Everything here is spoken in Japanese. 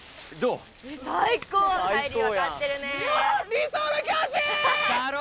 理想の教師！だろ？